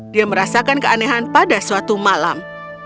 dia merasakan keanehan pada suatu malam